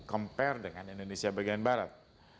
compare dengan indonesia bagian barat